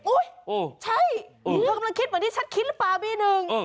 ใช่เธอกำลังคิดเหมือนที่ฉันคิดหรือเปล่าปีหนึ่ง